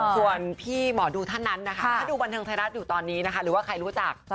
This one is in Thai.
ส่วนพี่หมอดูท่านนั้นนะคะถ้าดูบันเทิงไทยรัฐอยู่ตอนนี้นะคะหรือว่าใครรู้จัก